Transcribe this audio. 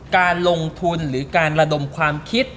การลงทุนหรือการระดมความคิด